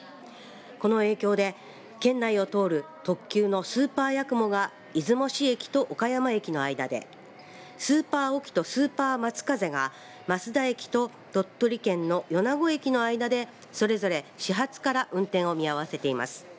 この影響で県内を通る特急のスーパーやくもが出雲市駅と岡山駅の間でスーパーおきとスーパーまつかぜが益田駅と鳥取県の米子駅の間でそれぞれ始発から運転を見合わせています。